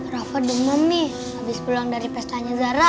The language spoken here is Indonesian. rafa demam nih abis pulang dari pestanya zara